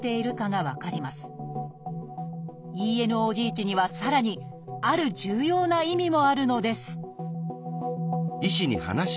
値にはさらにある重要な意味もあるのです